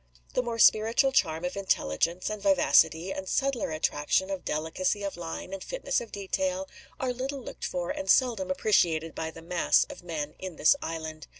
The more spiritual charm of intelligence and vivacity, the subtler attraction of delicacy of line and fitness of detail, are little looked for and seldom appreciated by the mass of men in this island.